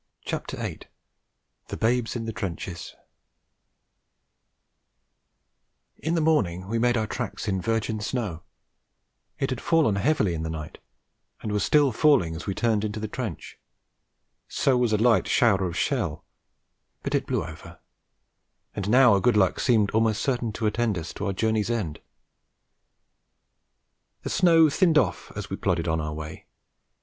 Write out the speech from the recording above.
THE BABES IN THE TRENCHES In the morning we made our tracks in virgin snow. It had fallen heavily in the night, and was still falling as we turned into the trench. So was a light shower of shell; but it blew over; and now our good luck seemed almost certain to attend us to our journey's end. The snow thinned off as we plodded on our way.